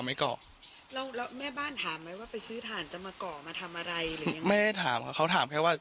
ฟังเสียงลูกจ้างรัฐตรเนธค่ะ